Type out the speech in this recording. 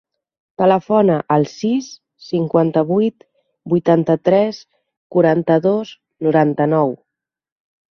Telefona al sis, cinquanta-vuit, vuitanta-tres, quaranta-dos, noranta-nou.